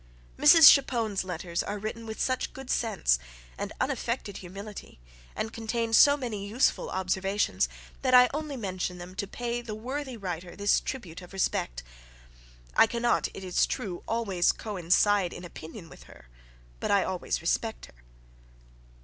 Mrs. Chapone's Letters are written with such good sense, and unaffected humility, and contain so many useful observations, that I only mention them to pay the worthy writer this tribute of respect. I cannot, it is true, always coincide in opinion with her; but I always respect her.